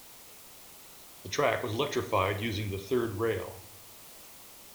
The track was electrified using the third rail.